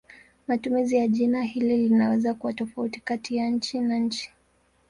Matumizi ya jina hili linaweza kuwa tofauti kati ya nchi na nchi.